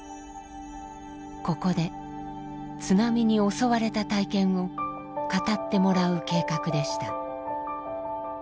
ここで津波に襲われた体験を語ってもらう計画でした。